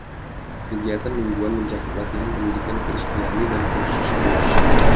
Kegiatan mingguan mencakup latihan, pendidikan Kristiani, dan kursus badge.